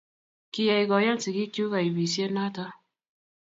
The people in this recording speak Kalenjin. kiyai koyan sigik chu kaibisie noto